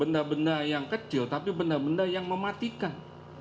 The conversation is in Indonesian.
benda benda yang kecil tapi benda benda yang mematikan